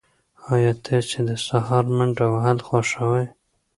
ایا تاسي د سهار منډه وهل خوښوئ؟